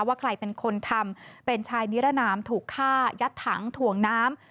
ว่าใครเป็นคนทำเป็นชายนิรนามถูกฆ่ายัดถังถ่วงน้ำ